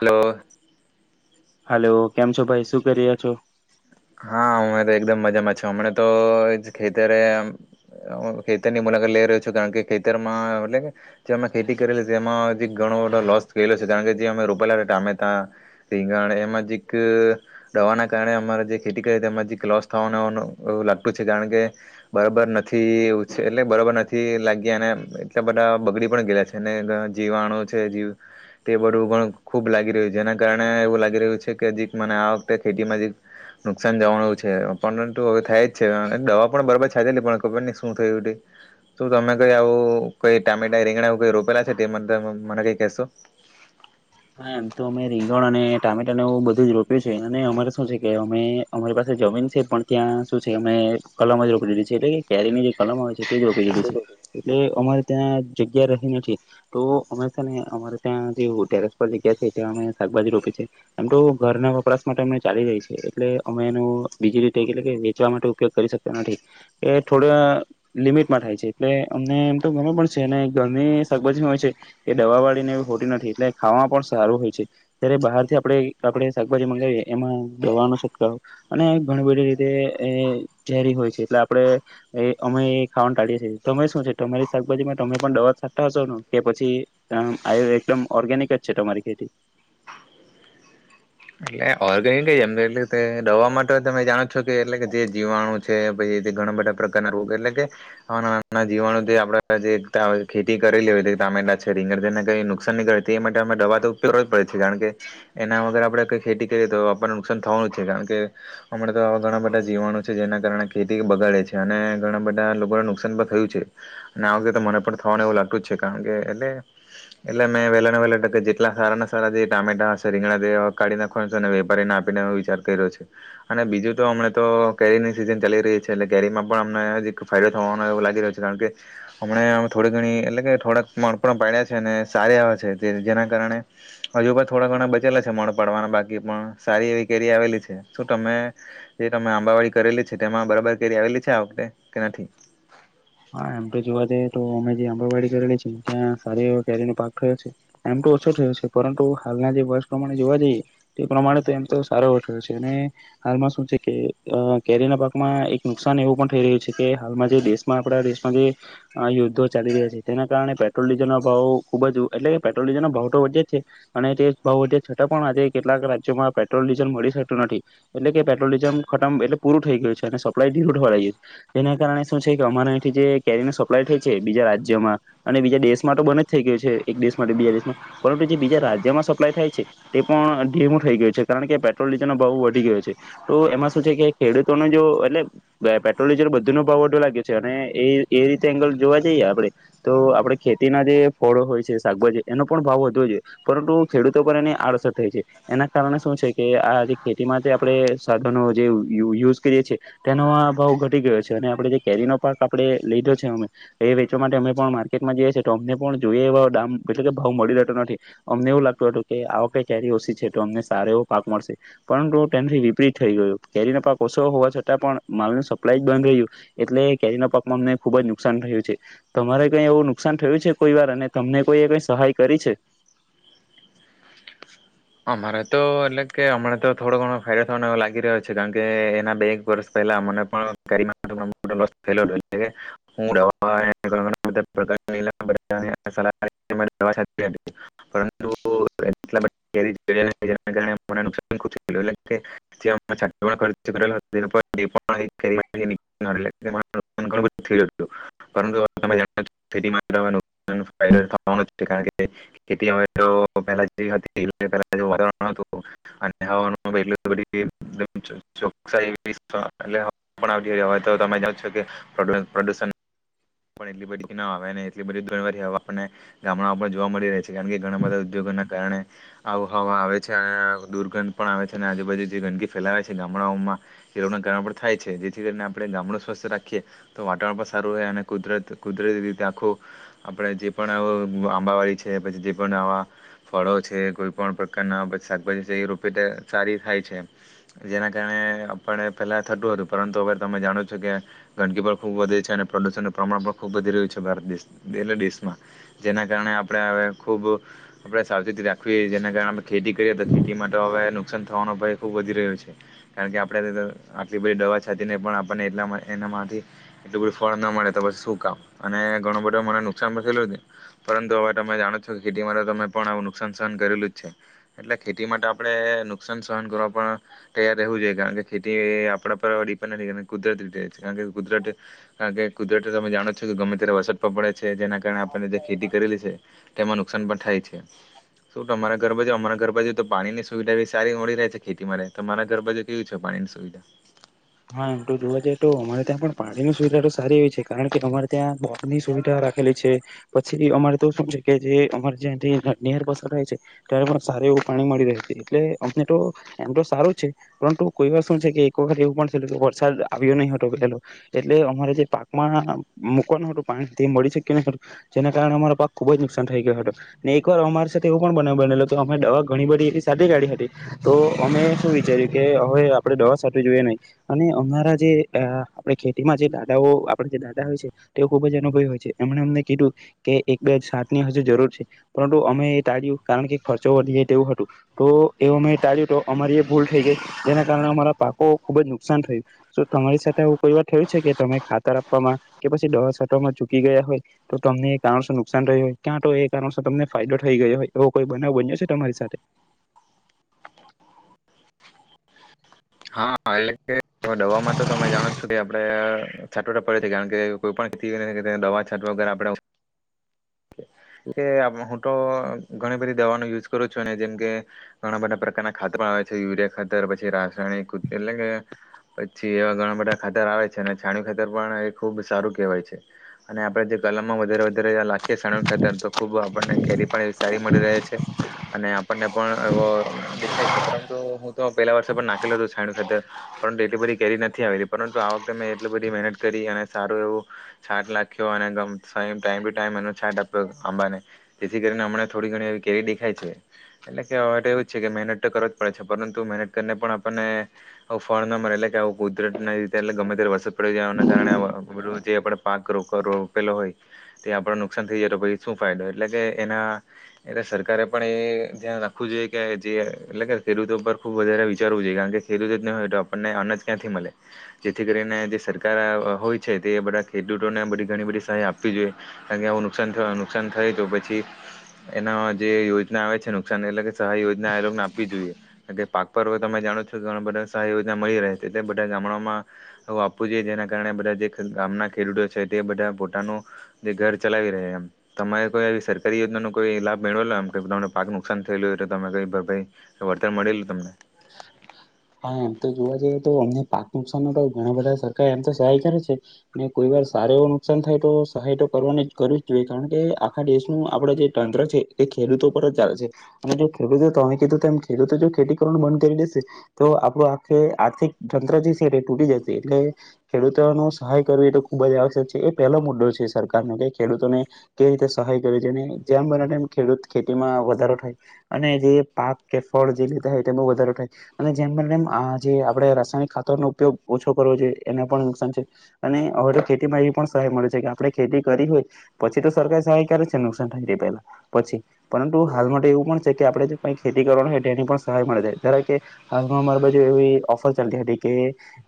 Hello. Hello. કેમ છો ભાઈ? શું કરી્યા છો? હા હું હવે એકદમ મજામાં છું. હમને તો ખેતરે અમ્મ ખેતરની મુલાકાત લઈ રહ્યો છું કારણ કે ખેતરમાં એટલે કે જે અમે ખેતી કરેલી છે, એમાં જે ઘણો બધો લોસ થયેલો છે, કારણ કે જે અમે રોપેલા ટામેટા, રીંગણ એમાં જેક દવાના કારણે અમારા જે ખેતી કરી તેમાંથી લોસ થવાનું એવું-એવું લાગતું છે કારણ કે બરાબર નથી એવું છે. એટલે બરાબર નથી લાગ્યા અને એટલા બધા બગડી પણ ગયલા છે ને. અને જીવાણુ છે જીવ તે બધું પણ ખૂબ લાગી રહ્યું છે, જેના કારણે એવું લાગી રહ્યું છે કે દીપ મને આ વખતે ખેતીમાં દી નુકસાન જવાનું છે, પરંતુ હવે થાય જ છે. દવા પણ બરાબર છાટેલી પણ ખબર નહીં શું થયું તે, શું તમે કઈ આવું કઈ ટામેટા, રીંગણા કઈ રોપેલા છે? તે મદદાં મને કઈ કહેશો. હા, એમ તો અમે રીંગણ અને ટામેટા ને એવું બધું રોપ્યું છે અને અમારે શું છે, કે અમે અમારી પાસે જમીન છે, પણ ત્યાં શું છે, અમે કલમ જ રોપેલી છે, એટલે કે કેરી ની જે કલમ આવે છે તે જ રોપેલી છે. એટલે અમા ત્યાં જગ્યા રહી નથી. તો અમેશા ને અમારે ત્યાં જેવું અત્યારે પછી કે છે કે હમે શાકભાજી રોકે છે. એમ તો ઘરના વપરાશ માટે અમને ચાલી રહી છે, એટલે અમે એનો બીજી રીતે એટ કે વેચવા માટે ઉપયોગ કરી શકતા નથી. એ થોડા લિમિટમાં થાય છે, એટલે અમને એમ તો ગમે પણ છે, અને ગરમી ની શાકભાજી હોય છે, એ દવા વાળી ને હાટી નથી એટલે ખાવામાં પણ સારું હોય છે. જ્યારે બહાર થી આપણે-આપણે શાકભાજી મંગાઈ એ એમાં દવાનો છટાવો અને ઘણી બધી રીતે એહ ઝેરી હોય છે, એટલે આપણે એ અમે ખાવાનું ટાળીએ છીએ. તમે શું છે, તમારી શાકભાજીમાં તમે પણ દવા છાટતા હશો ને કે પછી આએ એકદમ ઓર્ગેનિક તેજ છે તમારી ખેથી? ઈએ ઓર્ગેનિક ગઈ અંદર એટલે તે દવા માટે તમે જાણો છો કે એટલે કે જે જીવાણું છે, પછી તે ઘણા બધા પ્રકારના રોગ એટલે કે નાના-નાના જીવાણુ તે આપડા જે ત્યાં ખેતી કરેલી હોએ તે ટામેટા છે, રીંગણ છે એને કઈ નુકસાન નહીં કરે. એ માટે અમે દવા તો ઉપયોગ જ પડે છે, કારણ કે એના વગર આપડે કઈ ખેતી કરીએ તો આપણને નુકસાન થવાનું જ છે. કારણ કે અમણાં તો આવા ઘણા બધા જીવાણુ છે, જેના કારણે ખેતી બગાડે છે, અને ઘણા બધા લોકોને નુકસાન પણ થયું છે. અને આ વગતે તો મને પણ થવાનું એવું લાગતું જ છે, કારણ કે એટલે-એટલે મેં વહેલાના વહેલા ટકે જેટલા સારાના સારા જે ટામેટા હશે રીંગણા બે કાઢીને ફણ તો વેપારીને આપીને વિચાર કર્યો છે. અને બીજું તો હમણા તો કેરીની સિઝન ચાલી રહી છે એટલે કેરીમાં પણ અમને હજી એક ફાયદો થવાનો એવો લાગી રહ્યો છે કારણ કે હમણે થોડી ઘણી એટલે કે થોડાક મણ પણ પાડ્યા છે, અને સારી આવે છે, જેના કારણે હજુ પણ થોડા ઘણા બચેલા છે, મણ પાડવાના બા કી પણ સારી એવી કેરી આવેલી છે. શું તમે જે તમે આંબાવાડી કરેલી છે, તેમાં બરાબર કેરી આવેલી છે આ વખતે, કે નથી? હા, એમ તો જોવા જઈએ તો અમે જે આંબણવાડી કરેલી છે, ત્યાં સારી એ કેરીનો પાક થયો છે. એમ તો ઓછો થયો છે, પરંતુ હાલના જે વર્ષ પ્રમાણે જોવા જઈએ તે પ્રમાણે તો એમ તો સારો એવો થયો છે. અને હાલમાં શું છે, કે અહ કેરીના પાકમાં એક નુકસાન એવું પણ થઈ રહ્યું છે, કે હાલમાં જે દેશ માં આપણા દેશમાં જે યોદ્ધો ચાલી રહ્યા છે. તેના કારણે પેટ્રોલ ડીઝલનો ભાવ ખુબ જ એટલે કે પેટ્રોલ ડીઝલનો ભાવ તો વધે જ છે અને તે ભાવ વધ્યા છતાં પણ આજે કેટલાક રાજ્યોમાં પેટ્રોલ ડીઝલ મળી શકતું નથી. એટલે કે પેટ્રોલ ડીઝલ ખતમ એટલે પૂરું થઈ ગયું છે અને સપ્લાય ટવાળઈ ગઈ, જેના કારણે શું છે કે અમારા અઈ થી જે કેરીનો સપ્લાય થાય છે, બીજા રાજ્યમાં અને બીજા દેશમાં તો બને જ થઈ ગયું છે, એક દેશ માટે બીજા દેશમાં. પરંતુ જે બીજા રાજ્યમાં સપ્લાય થાય છે તે પણ ધીમું થઈ ગયું છે કારણ કે પેટ્રોલ ડીઝલનો ભાવ વધી ગયો છે. તો એમાં શું છે, કે ખેડૂતોને જો એટલે પે પેટ્રોલ ડીઝલ બધું નો ભાવ વધ્યો લાગ એ એ રીતે એંગલ જોવા જઈએ આપણે તો આપણે ખેતીના જે ફળો હોય છે શાકભાજી એનો પણ ભાવ વધવો જોઈએ પરંતુ ખેડૂતો પર એની આડઅસર થઈ છે, એના કારણે શું છે, કે આ જે ખેતીમાં આપણે સાધનો જે યૂ યૂ યુઝ કરીએ છેએ તેનો આ ભાવ ઘટી ગયો છે. અને આપણે જે કેરીનો પાક આપે લીધો છે, અમે એ વેચવા માટે અમે પણ માર્કેટમાં જઈએ છીએ તો અમને પણ જોઈએ એવા દામ એટલે કે ભાવ મળી રહેતો નથી અમને એવું લાગતું હતું કે આ વખઈ કેરી ઓછી છે, તો અમને સારો એવો પાક મળશે પરંતુ તેનથી વિપરીત થઈ ગયું કેરીનો પાક ઓછો હોવા છતાં પણ માલ ન સપ્લાય જ બંધ રહ્યું. એટલે કેરીના પાકમાં અમને ખુબ જ નુકસાન થયું છે. તમારે કઈ એવું નુકસાન થયું છે કોઈ વાર અને તમને કોઈ એ કઈ સહાય કરી છે. અમારે તો એટલે કે અમને તો થોડો ઘણો ફાયદો થવાનો લાગી રહ્યો છે, કારણકે એના બે એક વર્ષ પહેલા અને પણ કેરીનો [inaudible] ખૂબ થયેલું એટલે કે જે અમે છાંટવાનો ખર્ચ કરેલો હતો તેના પર એ પણ કેરીમાંથી નીકળેલો એટલે કે મને નુકસાન ઘણું બધું થયેલું હતું પરંતુ તમે જાણો છો ખેતીમાં દવાનો નુકસાન ફાયદો થવાનો જ છે કારણ કે ખેતી હવે તો પહેલા જે હતી એટલે પહેલા જે વાતાવરણ હતું અને હવાનું એટલી બધી એકદમ ચો- ચોકસાઈ એવી સ- એટલે હવા પણ આવતી હતી. હવે તો તમે જાણો જ છો કે પ્રદૂ- પ્રદૂષણ પણ એટલી બધી ન આવે અને એટલી બધી ઘણી હવા આપણને ગામડામાં પણ જોવા આ હવા આવે છે, અને દુર્ગંધ પણ આવે છે, અને આજુબાજુ જે ગંદકી ફેલાવે છે, ગામડાઓમાં એ [inaudible] પણ થાય છે, જેથી કરીને આપણે ગામડું સ્વસ્થ રાખીએ તો વાતાવરણ પણ સારું રહે અને કુદરત કુદરતી રીતે આખું આપડે જે પણ [unintelligible] આંબાવાડી છે, પછી જે પણ આવા ફળો છે કોઈ પણ પ્રકારના એ શાકભાજી છે, એ રોપે તે સારી થાય છે અને એમ જેના કારણે આપણે પેલા થતું હતું પરંતુ હવે તમે જાણો છો કે ગંદકી પણ ખૂબ વધે છે, અને પ્રદુષણનું પ્રમાણ પણ ખૂબ વધી રહ્યું છે, ભારત દેશ [inaudible] દેશમાં જેના કારણે આપણે હવે ખૂબ આપણે સાવચેતી રાખ વી જેના કારણે આપણે ખેતી કરીએ તો ખેતીમાં તો હવે નુકસાન થવાનો ભય ખૂબ વધી રહ્યો છે, કારણ કે આપણે [inaudible] આટલી બધી દવા છાતી ને પણ આપણને એટલા એનામાંથી એટલું બધું ફળ ન મળે તો પસી સુું કામનું અને ઘણો બધો મને નુકસાન પણ થયેલું છે, પરંતુ હવે તમે જાણો છો કે ખેતીમાં તો તમે પણ આવું નુક નુકસાન સહન કરેલું જ છે, એટલે ખેતી માટે આપણે નુકસાન સહન કરવા પણ તૈયાર રહેવું જોઈએ કારણ કે ખેતી આપણા પર ડિપેન્ડ નથી કાર કુદરતી રીતે કારણ કે કુદરત કારણ કે કુદરત તમે જાણો છો કે ગમે ત્યારે વરસાદ પણ પડે છે જેના કારણે આપણે જે ખેતી કરેલી છે, તેમાં નુકસાન પણ થાય છે. શું તમારા ઘર બાાજુ અમારા ઘર બાાજુ તો પાણીની સુવિધા બી સારી મળી રહે છે, ખેતી માટે તમારા ઘર બાાજુ કેવી છે, પાણીની સુવિધા? હા, એમ તો જોવા જઈએ તો અમારે ત્યાં પણ પાણીની સુવિધા તો સારી એવી છે, કારણ કે અમારે ત્યાં બોક ની સુવિધા રાખેલી છે પછી બી અમારે તો શું છે કે જે અમારે જેનથી નહેર પસારા થાય છે ત્યારે પણ સારુ એવું પાણી મળી રહે છે એટલે અમને તો એમ તો સારું છે, પરંતુ કોઈ વાર શું છે, કે એક વખત એવું પણ [inaudible] વરસાદ આવ્યો નહી હતો પેલો એટલે અમારે જે પાકમાં મુકવાનું હતું પાણી તે મળી શક્યું નઈ હતું જેના કારણે અમારો પાક ખુબ જ નુકસાન થઈ ગયો હતો ને એક વાર અમારી સાથે એવો પણ બનાવ બનેલો કે અમે દવા ઘણી બધી એકી સાથે કાઢી હતી તો અમે શું વિચાર્યું કે હવે આપડે દવા સાત્વી જોઈએ નહી. અને અમારા જે અ આપણે ખેતીમાં જે દાદાઓ આપણે જે દાદા હોય છે તેઓ ખુબ જ અનુભવી હોય છે એમણે અમને કીધું કે એક બે છાંટની હજુ જરૂર છે પરંતુ અમે એ ટાળ્યું કારણ કે ખર્ચો વધી જાય તેવું હતું તો એ અમે ટાળ્યું તો અમારી એ ભૂલ થઈ ગઈ જેના કારણે અમારા પાકો ખુબ જ ન નુકસાન થયું તો તમારી સાથે એવુ કોઈ વાર થયું છે કે તમે ખાતર આપવામાં કે પછી દવા છાંટવામાં ચૂકી ગયા હોય તો તમને એ કારણસર નુકસાન થયું હોય, ક્યાં તો એ કારણસર તમને ફાયદો થઈ ગયો હોય એવો કોઈ બનાવ બન્યો છે, તમારી સાથે? હા, એટલે કે દવામાં તો તમે જાણો છો કે આપડે છાંટવા તો પડે છે, કારણ કે કોઈ પણ [inaudible] દવા છાંટવા વગર આપડા એ હું તો ઘણી બધી દવાનો યુઝ કરું છું, ને જેમ કે ઘણા બધા પ્રકારના ખાતર પણ આવે છે, યુરિયા ખાતર પછી રાસાયણિક એટલે કે પછી એવા ઘણા બધા ખાતર આવે છે, અને છાણીયુ ખાતર પણ એ ખુબ સારું કેહેવાય છે, અને આપડે જે કલમમાં વધારે વધારે લાખીએ છાણીયુ ખાતર તો ખુબ આપણને કેરી પણ એવી સારી મળી રહે છે, અને આપણને પણ એવો દેખાય છે, પરંતુ હું તો પેલા વર્ષે પણ નાખેલો છાણીયુ ખાતર પરંતુ એટલી બધી કેરી નથી આવેલી પરંતુ આ વખતે મેં એટલી બધી મહેનત કરી અને સારું એવું છાટ લાખ્યો અને ટાઈમ ટુ ટાઈમ એનો છાટ આપ્યો આંબાને જેથી કરીને હમણાં થોડી ઘણી એવી કેરી દેખાય છે એટલે કે હવે તો એવું જ છે, કે મહેનત તો કરવો જ પડે છે પરંતુ મહેનત કરીને પણ આપણને ફળ ના મળે એટલે કે આવું કુદરત ના રીતે એટલે ગમે ત્યારે વરસાદ પડી જવાના કારણે [unintelligible] જે આપડ પાક રો રોપ રોપેલો હોય તે આપડ નુકસાન થઈ જાય તો પછી શું ફાયદો એટલે કે એના એના સરકારે પણ ધ્યાન રાખવું જોઈએ કે જે એટલે કે ખેડૂતો પર ખુબ વધારે વિચારવું જોઈએ કારણ કે ખેડૂત જ નહી હોય તો આપણને અનાજ ક્યાંથી મળે જેથી કરીને જે સરકાર હોય છે, તે બધા ખેડૂતોને બધી ઘણી બધી સહાય આપવી જોઈએ કારણ કે આવું નુકસાન થયુ નુકસાન થાય તો પછી એના જે યોજના આવે છે, નુકસાન એટલે કે સહાય યોજના એ લોકોને આપવી જોઈએ કે પાક પર હવે તમે જાણો છો. તો ઘણાં બધાં સહાય યોજના મળી રહે છે, તે બધાં ગામડાઓમાં [inaudible] આપવું જોઈએ જેના કારણે બધા જે ગામનાં ખેડૂતો છે, તે બધા પોતાનું જે ઘર ચલાવી રહે એમ તમારે કોઈ આવી સરકારી યોજનાનો કોઈ લાભ. મેળવેલો એમ કે તમને પાક નુકસાન થ થયેલું તો તમે ક ભ ભાઈ વળતર મળેલ તમને? હા એમ તો જોવા જઈએ તો અમને પાક નુકસાન ન તો ઘણા બધાં સરકાર એમ તો સહાય કરે છે, ને કોઈ વાર સારા એવું નુકસાન થાય તો સહાય તો કરવાની જ કરવી જ જોઈએ કારણ કે આખા દેશનું આપડુ જે તંત્ર છે એ ખેડૂતો પર જ ચાલે છે અને જો ખેડૂતો તમે કીધું તેમ ખેડૂતો જો ખેતી પણ બંધ કરી દેશે તો આપણું આખુ આર્થિક તંત્ર જે છે, એ તૂટી જશે એટલે ખેડૂતો સહાય કરવી એ તો ખુબ જ આવશ્યક છે. એ પહેલો મુદ્દો છે, સરકાર નો કે ખેડૂતોને કેવી રીતે સહાય કરવી જેને જેમ બને તેમ ખેડૂત ખેતીમાં વધારો થાય અને જે પાક કે ફળ જેબી કહે તેમાં વધરો થાય અને જેમ બને તેમ આ જે આપણે રાસાયણિક ખાતરનો ઉપયોગ ઓછો કરવો જોઈએ એના પણ નુકસાન છે, અને હવે તો ખેતીમાં એવી પણ સહાય મળે છે, કે આપણે ખેતી કરી હોય પછી તો સરકારા સહાય કરે છે નુકસાન થાય તે પહેલા પછી પરંતુ હાલ માટે એવું પણ છે કે આપણે જો કઈ ખેતી કરવાનું હોય એની પણ સહાય મળે. ધારોકે હાલમાં મારી બાજુ એવી ઓફર ચાલતી હતી કે,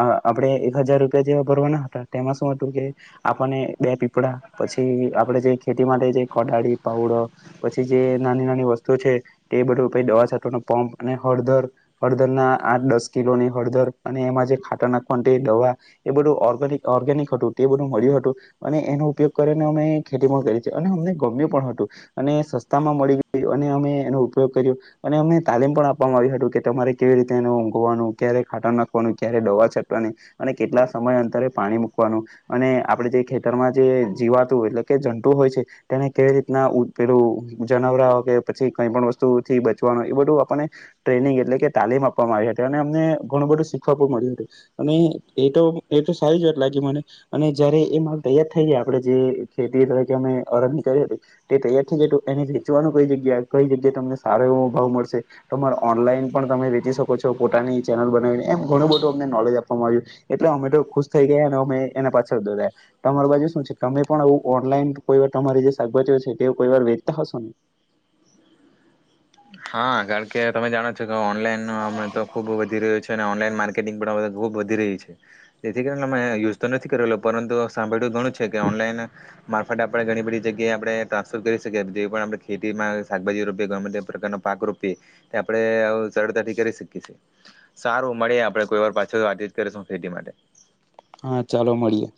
આ આપણે એક હજાર રૂપિયા જેવા ભરવાના હતા તેમાં શું હતું કે આપણને બે પીપળા પછી આપડે જે ખેતી માટે જે કોદાળી પાવડો પછી જે નાની નાની વસ્તુ છે, તે બધું દવા છાંટવાનો પંપ. અને હળદર હળદરના આઠ દસ કિલોની હળદર અને એમાં જે ખાતર નાખવાની દવા એ બધું ઓગર્નિક ઓર્ગેનિક હતું, તે બધું મળ્યું હતું, અને એનો ઉપયોગ કરીને અમે ખેતી પણ કરી છે. અને અમને ગમ્યું પણ હતું. અને સસ્તામાં મળી ગયું, અને અમે એનો ઉપયોગ કર્યો અને અમને તાલીમ પણ આપ વામાં આવી હતી કે, તમારે કેવી રીતે એ ઊંઘવાનું ક્યારે ખાતર નાખવાનું, ક્યારે દવા છાંટવાની અને કેટલા સમય અંતરે પાણી મૂકવાનું, અને આપણેે જે ખેતરમાં જે જીવાતું એટલે કે જંતુ હોય છે, તેને કેવી રીતના પેલું જનાવરા હો કે પછી કઈ પણ વસ્તુથી બચવાનું, એ બધું આપણને ટ્રેનિંગ એટલે કે તાલીમ આપવામાં આવી હતી અને અમને ઘણું બધું શીખવા મળ્યું હતું. અને એ એ તો સારી જ વાત લાગી ઙમને અને જયારે એ માલ તૈયાર થઈ જાય આપણે જે ખેતી તરીકે હળદરની તે તૈયાર થઈ જાય એને વેચવાનું કઈ જગ્યા કઈ જગ્યા અમને સારો એવો ભાવ મળશે, તમે ઓનલાઈન પણ તમે વેચી શકો છો. પોતાની ચેનલ બનાવીને એમ ઘણું બધું અમને નોલેજ આપવામાં આવ્યું એટલે અમે તો ખુશ થઈ ગયા અને અમે એના પાછળ દરાયા. તમાર બાજુ શું છે? તમે પણ ઓનલાઈન કોઈ વાર તમારી તમારી જે શાકભાજીઓ છે તે કોઈ વાર વેચતા હશોને? હા કારણ કે તમે જાણો છો ઓનલાઈન તો હમણાં તો ખુબ વધી રહ્યું છે અને ઓનલાન માર્ટ ખેતી પણ હવે ખબ વધી રહી છે જેથી કરીને અમે યુઝ તો નથી કરેલો પરંતુ સાંભળ્યું ઘણું છે કે ઓનલાઈન મારફત આપણે ઘણી બધી જગ્યાએ આપણે ટ્રાન્સફર કરી શકીએ જેવી પણ આપણે ખેતીમાં શાકભાજી રોપી ગમે તેમ પ્રકારનો પાક રોપીએ આપણે સરળતાથી કરી શકી છીએ સારું મળી આપણે કોઈ વાર પાછળ વાતચીત કરીશ શું થઈ માટે હા ચાલો મળીએ.